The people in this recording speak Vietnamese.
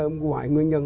mọi nguyên nhân